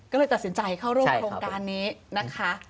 ก็เลยตัดสินใจเข้าร่วมโครงการนี้นะคะ